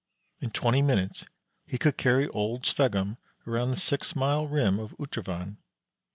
In twenty minutes he could carry old Sveggum round the six mile rim of Utrovand.